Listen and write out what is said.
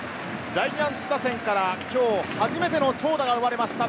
ジャイアンツ打線から今日初めての長打が生まれました。